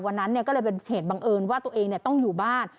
วันนั้นก็เลยเป็นเหตุบังเอิญว่าตัวเองต้องอยู่บ้าน